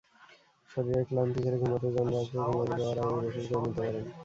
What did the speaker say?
শরীরের ক্লান্তি ঝেড়ে ঘুমাতে যানরাতে ঘুমাতে যাওয়ার আগে গোসল করে নিতে পারেন।